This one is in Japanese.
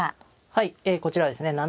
はいこちらはですね